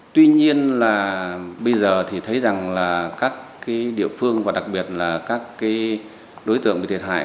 tuy nhiên là bây giờ thì thấy rằng là các địa phương và đặc biệt là các đối tượng bị thiệt hại